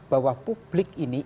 bahwa publik ini